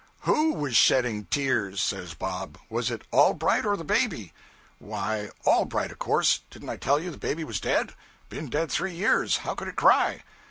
'_Who _was shedding tears?' says Bob; 'was it Allbright or the baby?' 'Why, Allbright, of course; didn't I tell you the baby was dead. Been dead three years how could it cry?'